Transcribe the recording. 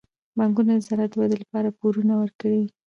بانکونه د زراعت د ودې لپاره پورونه ورکوي.